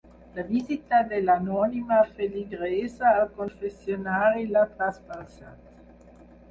La visita de l'anònima feligresa al confessionari l'ha trasbalsat.